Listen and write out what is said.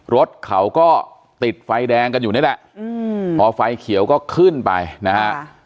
รถเขาก็ติดไฟแดงกันอยู่นี่แหละพอไฟเขียวก็ขึ้นไปนะฮะ